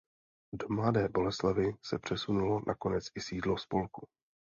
Do Mladé Boleslavi se přesunulo nakonec i sídlo spolku.